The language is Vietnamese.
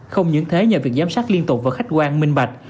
không những thế nhờ việc giám sát liên tục và khách quan minh bạch